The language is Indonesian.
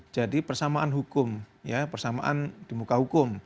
jadi persamaan hukum ya persamaan di muka hukum